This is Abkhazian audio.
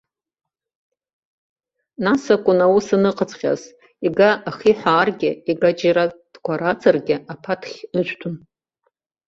Нас акәын аус аныҟаҵәҟьаз, иага ахиҳәааргьы, иагаџьара дкәараҵаргьы, аԥаҭхь ыжәтәын.